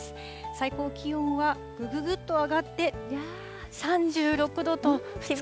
最高気温はぐぐぐっと上がって３６度と。